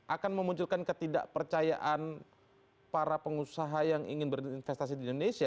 akan memunculkan ketidakpercayaan para pengusaha yang ingin berinvestasi di indonesia